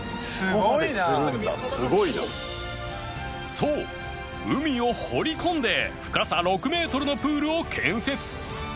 そう海を掘り込んで深さ６メートルのプールを建設